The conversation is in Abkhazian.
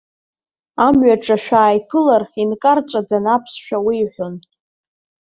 Амҩаҿы шәааиԥылар, инкарҵәаӡаны аԥсшәа уеиҳәон.